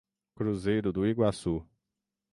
Cruzeiro do Iguaçu